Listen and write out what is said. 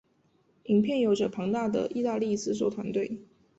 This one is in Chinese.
影片有着庞大的意大利制作团队。